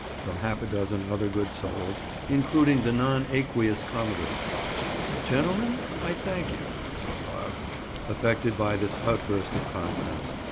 from half a dozen other good souls, including the non aqueous commodore. "Gentlemen, I thank you," said Bob, affected by this outburst of confidence.